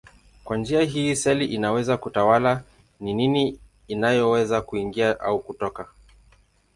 Kwa njia hii seli inaweza kutawala ni nini inayoweza kuingia au kutoka.